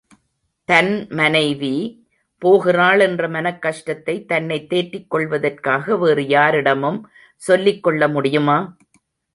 தன் மனைவி........ போகிறாள் என்ற மனக் கஷ்டத்தை, தன்னைத் தேற்றிக் கொள்வதற்காக வேறு யாரிடமும் சொல்லிக் கொள்ள முடியுமா?